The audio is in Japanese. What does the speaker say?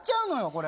これ。